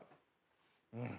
うん！